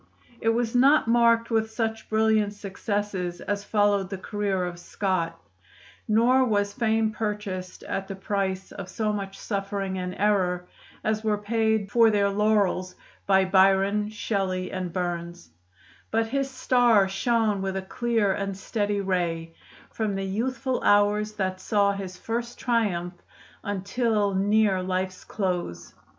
It was not marked with such brilliant successes as followed the career of Scott; nor was fame purchased at the price of so much suffering and error as were paid for their laurels by Byron, Shelley, and Burns; but his star shone with a clear and steady ray, from the youthful hours that saw his first triumph until near life's close.